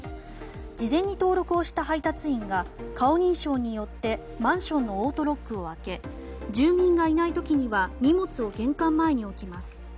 事前に登録をした配達員が顔認証によってマンションのオートロックを開け住民がいない時には荷物を玄関前に置きます。